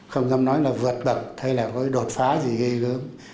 không dám nói là vượt bậc hay là có đột phá gì gây gớm